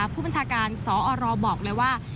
ผู้บัญชาการสอรบอกเลยว่า